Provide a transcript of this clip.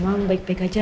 mama mau baik baik aja